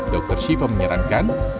dr shiva menyarankan